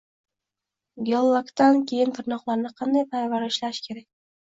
Gel-lakdan keyin tirnoqlarni qanday parvarishlash kerak?